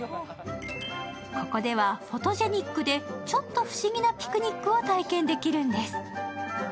ここではフォトジェニックでちょっと不思議なピクニックを体験できるんです。